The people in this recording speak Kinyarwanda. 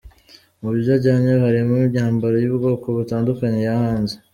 Mu byo ajyanye harimo imyambaro y’ubwoko butandukanye yahanze.